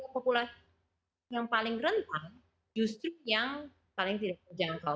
populasi yang paling rentan justru yang paling tidak terjangkau